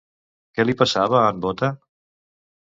Què li passava a en Bóta?